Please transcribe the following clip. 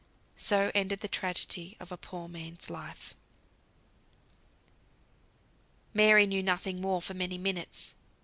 So ended the tragedy of a poor man's life. Mary knew nothing more for many minutes.